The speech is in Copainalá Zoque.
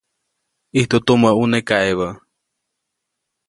ʼIjtu tumä ʼuneʼ kaʼebä.